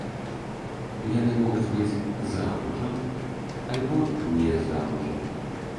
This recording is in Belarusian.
Яны могуць быць замужам альбо не замужам.